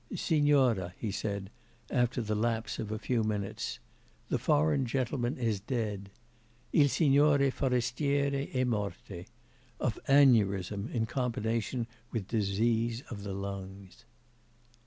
'Signora,' he said, after the lapse of a few minutes, 'the foreign gentleman is dead il Signore forestiere e morte of aneurism in combination with disease of the lungs.